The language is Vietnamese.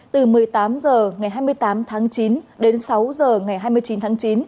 từ một mươi tám h ngày hai mươi tám tháng chín đến sáu h ngày hai mươi chín tháng chín